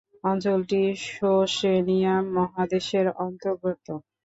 অঞ্চলটি ওশেনিয়া মহাদেশের অন্তর্গত।